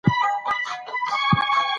دانور سادات له قاتل یې وپوښتل